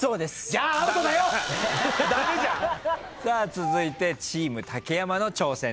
続いてチーム竹山の挑戦です。